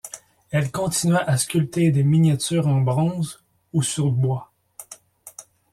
Elle continua à sculpter des miniatures en bronze ou sur bois.